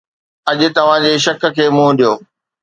اڄ توهان جي شڪ کي منهن ڏيو